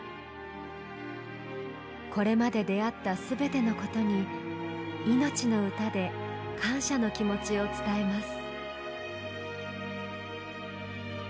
これまで出会った全てのことに「いのちの歌」で感謝の気持ちを伝えます。